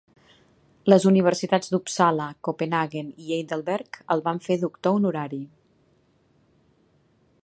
Les universitats d'Uppsala, Copenhaguen i Heidelberg el van fer Doctor honorari.